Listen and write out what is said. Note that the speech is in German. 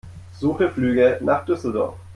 Suche Flüge nach Düsseldorf.